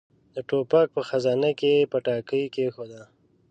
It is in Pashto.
د ټوپک په خزانه کې يې پټاکۍ کېښوده.